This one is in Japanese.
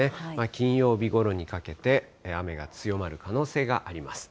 金曜日ごろにかけて、雨が強まる可能性があります。